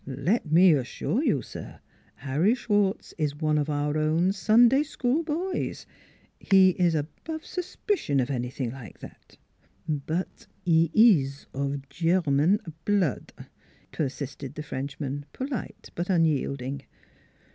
Let me assure you, sir: Harry Schwartz is one of our own Sunday School boys. He is above suspicion of anything like that." " But 'e ees of German bl lood," persisted the Frenchman, polite but unyielding.